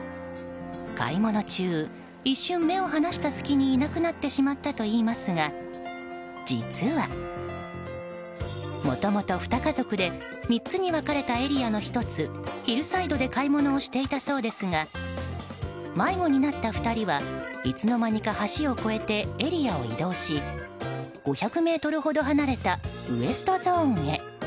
買い物中、一瞬目を離した隙にいなくなってしまったといいますが実は、もともと２家族で３つに分かれたエリアの１つヒルサイドで買い物をしていたそうですが迷子になった２人はいつの間にか橋を越えてエリアを移動し５００ｍほど離れたウエストゾーンへ。